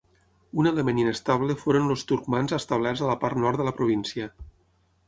Un element inestable foren els turcmans establerts a la part nord de la província.